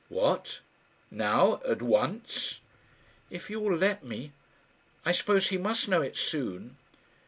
"What! now, at once?" "If you will let me. I suppose he must know it soon."